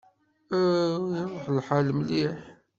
Aw, iṛuḥ lḥal mliḥ!